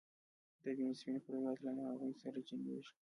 د وینې سپین کرویات له ناروغیو سره جنګیږي